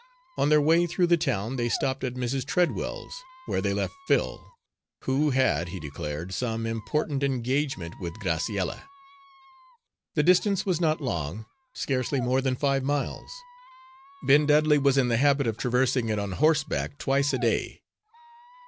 On their way through the town they stopped at Mrs. Treadwell's, where they left Phil, who had, he declared, some important engagement with Graciella. The distance was not long, scarcely more than five miles. Ben Dudley was in the habit of traversing it on horseback, twice a day.